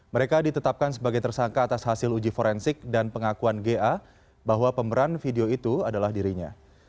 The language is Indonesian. mereka ditetapkan sebagai tersangka atas hasil uji forensik dan pengakuan ga bahwa pemeran video itu adalah dirinya